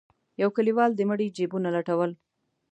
يو کليوال د مړي جيبونه لټول.